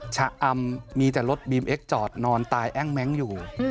ชะอำมีแต่รถบีมเอ็กซจอดนอนตายแอ้งแม้งอยู่